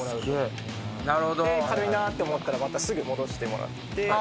で軽いなって思ったらまたすぐ戻してもらって。